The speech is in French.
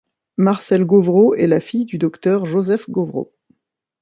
Marcelle Gauvreau est la fille du docteur Joseph Gauvreau.